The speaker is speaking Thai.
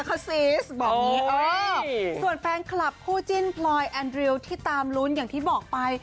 บอกนี้โอ้ยส่วนแฟนคลับผู้จิ้นปลอยแอนดริวที่ตามลุ้นอย่างที่บอกไป